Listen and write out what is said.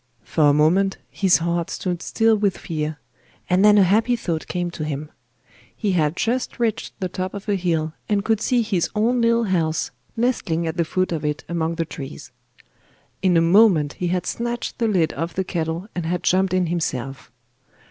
For a moment his heart stood still with fear, and then a happy thought came to him. He had just reached the top of a hill, and could see his own little house nestling at the foot of it among the trees. In a moment he had snatched the lid off the kettle and had jumped in himself.